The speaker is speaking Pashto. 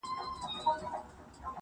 د کراري مو شېبې نه دي لیدلي -